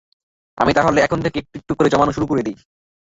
আমি তাহলে এখন থেকেই একটু একটু করে জমানো শুরু করে দিই।